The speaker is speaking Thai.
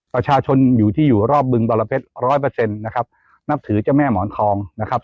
ประชาชนอยู่ที่อยู่รอบบึงบรเพชรร้อยเปอร์เซ็นต์นะครับนับถือเจ้าแม่หมอนทองนะครับ